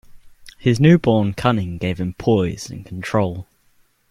His newborn cunning gave him poise and control.